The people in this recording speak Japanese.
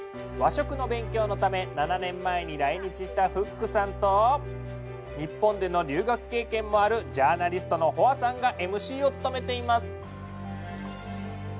和食の勉強のため７年前に来日したフックさんと日本での留学経験もあるジャーナリストのホアさんがＭＣを務めています。